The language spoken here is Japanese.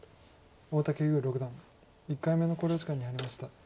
大竹優六段１回目の考慮時間に入りました。